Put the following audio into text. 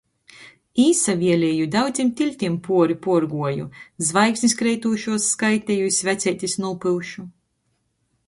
Īsavielieju i daudzim tyltim puori puorguoju, zvaigznis kreitūšuos skaiteju i sveceitis nūpyušu...